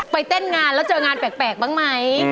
เต้นงานแล้วเจองานแปลกบ้างไหม